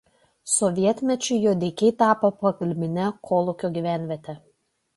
Sovietmečiu Juodeikiai tapo pagalbine kolūkio gyvenviete.